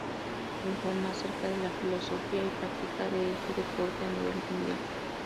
Informa acerca de la filosofía y práctica de este deporte a nivel mundial.